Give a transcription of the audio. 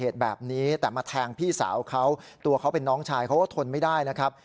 เหตุแบบนี้แต่มาแทงพี่สาวเขาตัวเขาเป็นน้องชายเขาก็ทนไม่ได้นะครับ